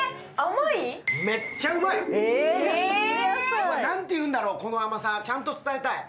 うわ、なんていうんだろ、この甘さ、ちゃんと伝えたい！